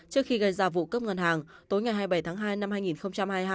trước khi gây ra vụ cướp ngân hàng tối ngày hai mươi bảy tháng hai năm hai nghìn hai mươi hai